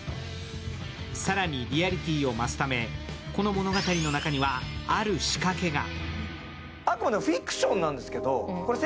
更にリアリティを増すためこの物語の中にはある仕掛けが。